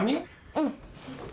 うん。